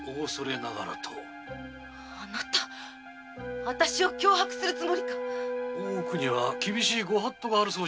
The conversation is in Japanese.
あなたは私を脅迫するつもりか大奥には厳しいご法度があるとのこと。